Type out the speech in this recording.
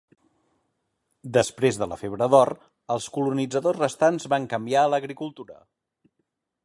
Després de la febre d'or, els colonitzadors restants van canviar a l'agricultura.